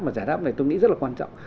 mà giải đáp này tôi nghĩ rất là quan trọng